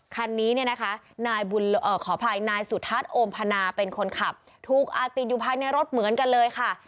คันนี้เนี่ยนะคะนายขออภัยนายสุทัศน์โอมพนาเป็นคนขับถูกอาติดอยู่ภายในรถเหมือนกันเลยค่ะ